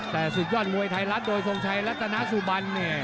แต่ศึกยอดมวยไทยรัฐโดยทรงชัยรัตนาสุบันเนี่ย